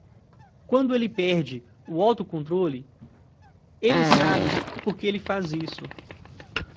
Quando ele perde o autocontrole, ele sabe por que ele faz isso.